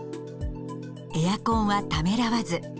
エアコンはためらわず。